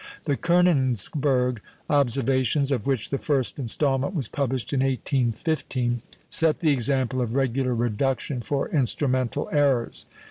The Königsberg observations of which the first instalment was published in 1815 set the example of regular "reduction" for instrumental errors.